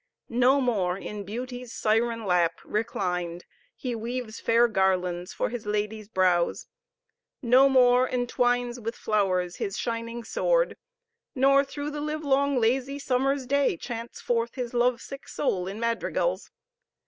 No more in Beauty's siren lap reclined he weaves fair garlands for his lady's brows; no more entwines with flowers his shining sword nor through the livelong lazy summer's day chants forth his love sick soul in madrigals.